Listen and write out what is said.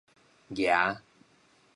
夯